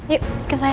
yuk ikut saya